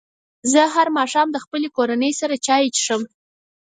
زه هر ماښام له خپلې کورنۍ سره چای څښم.